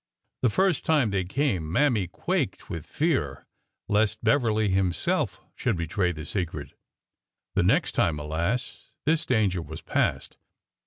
The first time they came Mammy quaked with fear, lest Beverly himself should betray the secret. The next time, alas ! this danger was past.